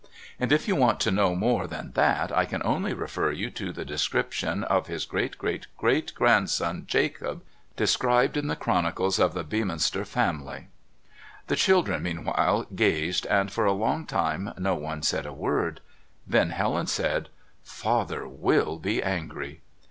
And if you want to know more than that I can only refer you to the description of his great great great grandson "Jacob," described in the Chronicles of the Beaminster Family. The children meanwhile gazed, and for a long time no one said a word. Then Helen said: "Father WILL be angry."